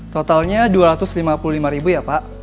totalnya dua ratus lima puluh lima ribu ya pak